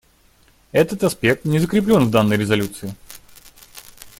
Этот аспект не закреплен в данной резолюции.